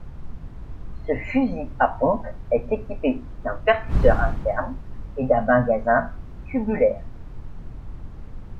Ce fusil à pompe est équipé d'un percuteur interne et d'un magasin tubulaire.